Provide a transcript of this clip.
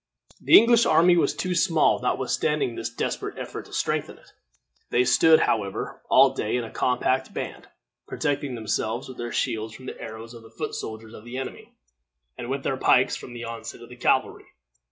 The English army was too small notwithstanding this desperate effort to strengthen it. They stood, however, all day in a compact band, protecting themselves with their shields from the arrows of the foot soldiers of the enemy, and with their pikes from the onset of the cavalry.